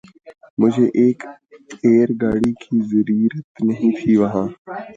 مجھیں ایک ایںر گاڑی کی ضریںرت نہیں تھیں وہاں